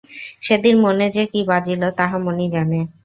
সেদিন মনে যে কী বাজিল তাহা মনই জানে।